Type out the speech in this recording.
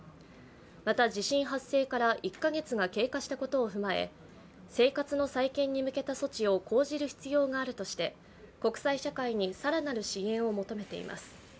また、地震発生から１か月が経過したことを踏まえ、生活の再建に向けた措置を講じる必要があるとして国際社会に更なる支援を求めています。